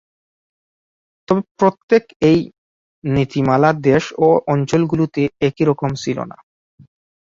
তবে প্রত্যেক এই নীতিমালা দেশ ও অঞ্চলগুলোতে একই রকম ছিল না।